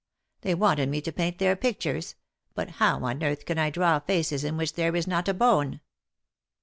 They wanted me to paint their pictures; but how on earth can I draw faces in which there is not a bone!